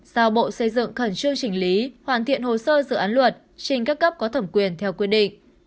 giao bộ xây dựng khẩn trương chỉnh lý hoàn thiện hồ sơ dự án luật trình các cấp có thẩm quyền theo quy định